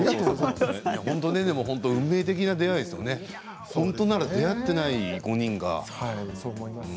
運命的な出会いで本当だったら出会っていない、５人がね。